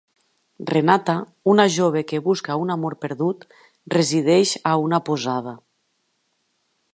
Renata, una jove que busca un amor perdut, resideix a una posada.